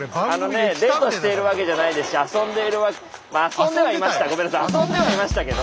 あのねデートしているわけじゃないですし遊んでいるわけまあ遊んではいました。